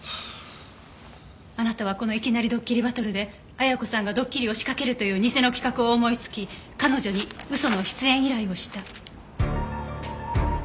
あなたはこの『いきなりどっきりバトル』で綾子さんがどっきりを仕掛けるというニセの企画を思いつき彼女に嘘の出演依頼をした。